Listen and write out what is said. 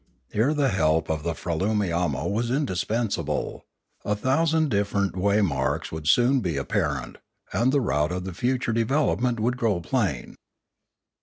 Here the help of the Fraloomiamo was indispensable; a thousand different way marks would soon be ap parent, and the route of future development would grow plain.